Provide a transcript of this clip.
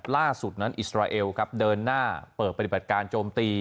ล่าสุดนั้นอิสราเอลครับเดินหน้าเปิดปฏิบัติการโจมตี